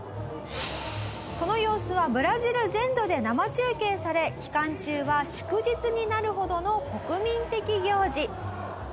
その様子はブラジル全土で生中継され期間中は祝日になるほどの国民的行事。